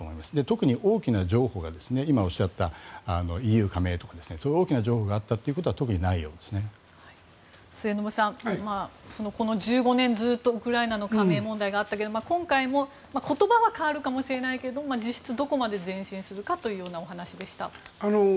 特に大きな譲歩が今おっしゃったＥＵ加盟とか大きな譲歩があったということは末延さん、この１５年ずっとウクライナの加盟問題があったけど今回も言葉は変わるかもしれないけど実質どこまで前進するかというお話でした。